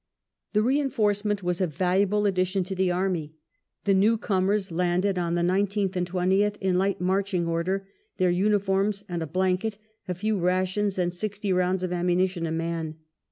The reinforcement was a valuable addition to the army. The newcomers landed on the 19th and 20th, in light marching order — their uniforms and a blanket, a few rations, and sixty rounds of ammunition a man.